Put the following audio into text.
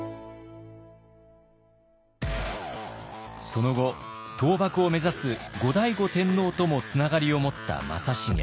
その後倒幕を目指す後醍醐天皇ともつながりを持った正成。